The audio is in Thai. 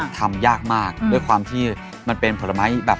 ทำยากมากด้วยความที่มันเป็นผลไม้แบบ